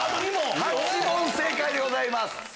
８問正解でございます。